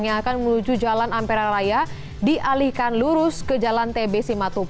yang akan menuju jalan ampera raya dialihkan lurus ke jalan tbc matupa